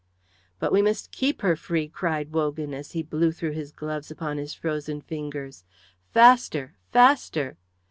"But we must keep her free!" cried Wogan, as he blew through his gloves upon his frozen fingers. "Faster! Faster!"